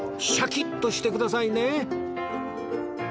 シャキッとしてくださいね